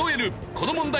この問題